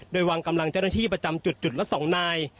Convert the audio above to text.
โดยวางกำลังเจ้าหน้าที่ประจำจุดจุดละ๒นาย